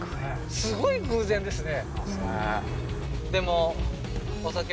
すごい偶然ですね